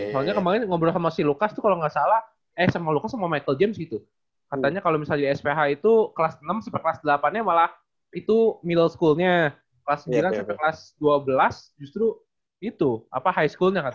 soalnya kemarin ngobrol sama si lucas itu kalau nggak salah eh sama lucas sama michael james gitu katanya kalau misalnya di sph itu kelas enam sampai kelas delapannya malah itu middle school nya kelas sembilan sampai kelas dua belas justru itu apa high school nya katanya